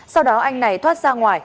sau đó anh này thoát ra ngoài